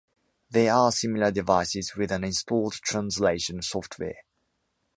There are similar devices with an installed translation software.